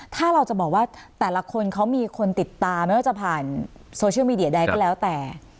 ถ้าเราจะบอกว่าแต่ละคนเขามีคนติดตามไม่ว่าจะผ่านโซเชียลมีเดียใดก็แล้วแต่